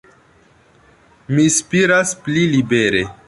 Mi spiras pli libere.